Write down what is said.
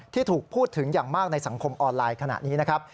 ที่ถูกพูดถึงอย่างมากในสังคมออนไลน์ขณะนี้นะครับ